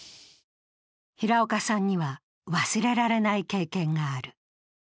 平岡さんには忘れられない経験がある。